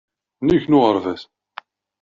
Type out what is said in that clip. Nnig n uɣerbaz.